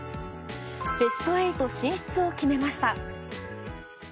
ベスト８進出を決めました。